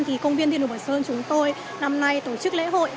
thì công viên thiên đồ bảo sơn chúng tôi năm nay tổ chức lễ hội